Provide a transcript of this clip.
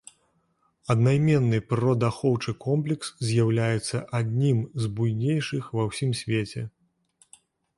Аднайменны прыродаахоўны комплекс з'яўляецца аднім з буйнейшых ва ўсім свеце.